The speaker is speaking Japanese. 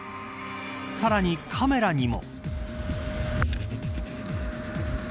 さらにカメラにも。